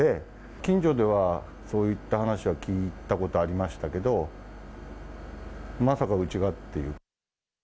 近所ではそういった話は聞いたことはありましたけど、まさかうちがっていう。